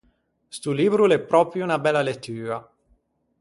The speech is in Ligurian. Sto libbro o l’é pròpio unna bella lettua.